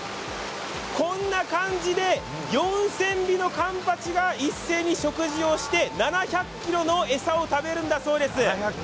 こんな感じで４０００尾のかんぱちが一斉に食事をして、７００ｋｇの餌を食べるんだそうです。